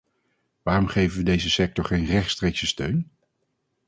Waarom geven we deze sector geen rechtstreekse steun?